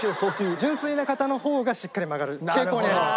純粋な方のほうがしっかり曲がる傾向にあります。